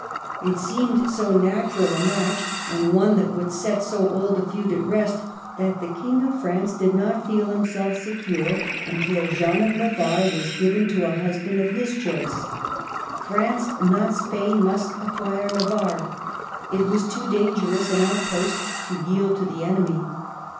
It seemed so natural a match, and one that would set so old a feud at rest, that the King of France did not feel him self secure till Jeanne of Navarre was given to a husband of his choice. France, not Spain, must acquire Navarre ; it was too dangerous an out post to yield to the enemy.